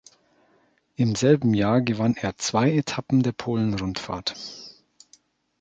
Im selben Jahr gewann er zwei Etappen der Polen-Rundfahrt.